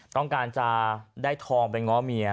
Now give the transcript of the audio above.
ต้องการจะได้ทองไปง้อเมีย